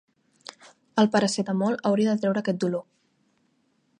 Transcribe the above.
El paracetamol hauria de treure aquest dolor.